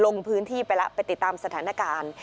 ลงพื้นที่ไปแล้วไปติดตามสถานการณ์